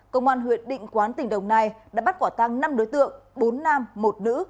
công an huyện định quán tỉnh đồng nai đã bắt quả tăng năm đối tượng bốn nam một nữ